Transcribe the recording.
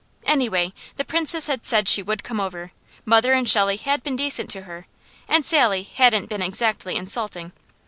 Anyway, the Princess had said she would come over; mother and Shelley had been decent to her, and Sally hadn't been exactly insulting.